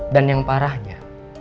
dan yang parahnya